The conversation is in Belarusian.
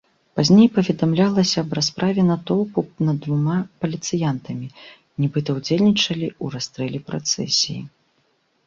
Пазней паведамлялася аб расправе натоўпу над двума паліцыянтамі, нібыта ўдзельнічалі ў расстрэле працэсіі.